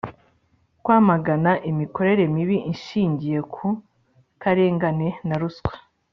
kwamagana imikorere mibi ishingiye ku karengane na ruswa.